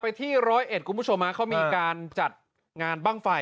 ที่ร้อยเอ็ดคุณผู้ชมฮะเขามีการจัดงานบ้างไฟ